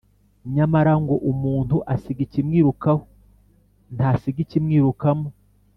nyamara ngo “Umuntu asiga ikimwirukaho ntasiga ikimwirukamo.”